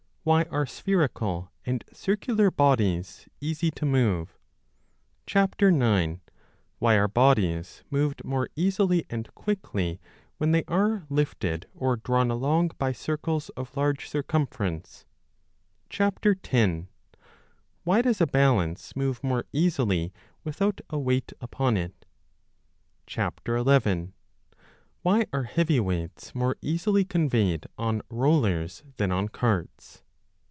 Why are spherical and circular bodies easy to move ? 9. \Vhy are bodies moved more easily and quickly when they are lifted or drawn along by circles of large circumference : 10. Why does a balance move more easily without a weight upon it ? 11. Why are heavy weights more easily conveyed on rollers than on carts